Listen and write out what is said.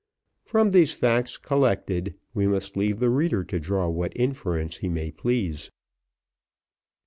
From these facts collected, we must leave the reader to draw what inference he may please.